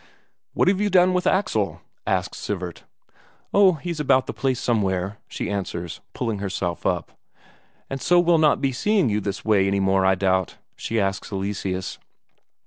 "What have you done with Axel?" asks Sivert. "Oh, he's about the place somewhere," she answers, pulling herself up. "And so we'll not be seeing you this way any more, I doubt?" she asks Eleseus.